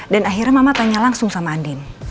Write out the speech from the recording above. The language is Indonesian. dan akhirnya mama tanya langsung sama andin